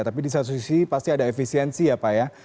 tapi di satu sisi pasti ada efisiensi ya pak ya